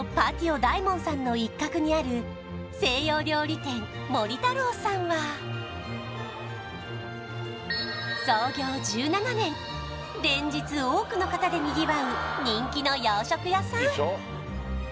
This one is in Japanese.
お大門さんの一角にある西洋料理店もりたろうさんは連日多くの方でにぎわう人気の洋食屋さん